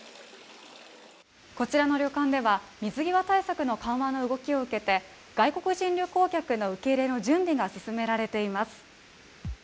こちらの旅館では、水際対策の緩和の動きを受けて外国人旅行客の受け入れの準備が進められています。